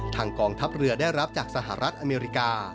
กองทัพเรือได้รับจากสหรัฐอเมริกา